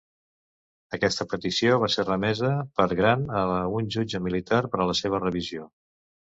Aquesta petició va ser remesa per Grant a un jutge militar per a la seva revisió.